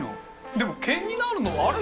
でも毛になるのはあれ？